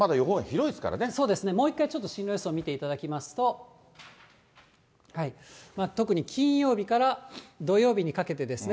そうですね、もう一回ちょっと進路予想図を見ていただきますと、特に金曜日から土曜日にかけてですね。